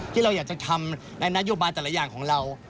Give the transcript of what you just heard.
ที่เราอยากจะทำในนโยบายแต่ละอย่างของเรา